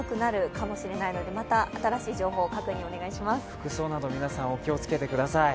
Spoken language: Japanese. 服装など、皆さん、お気をつけてください。